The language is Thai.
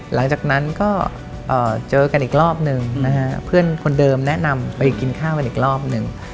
หลังจากนั้นก็เจอกันอีกรอบหนึ่งนะฮะเพื่อนคนเดิมแนะนำไปกินข้าวกันอีกรอบหนึ่ง